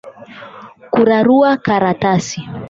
Kurarua karatasi